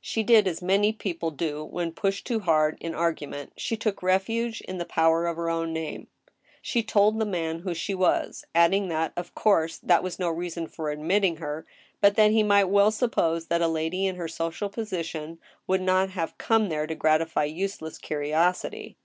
She did as many people do when pushed too hard in argument, she took refuge in the power of her own name. She told the man who she was, adding that, of course, that was no reason , for admitting her, but that he might well suppose that a lady in her social position would not have come there to gratify useless curiosity.